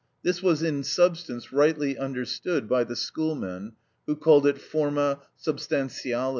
This was in substance rightly understood by the schoolmen, who called it forma substantialis.